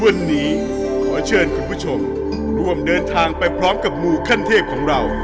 วันนี้ขอเชิญคุณผู้ชมร่วมเดินทางไปพร้อมกับมูขั้นเทพของเรา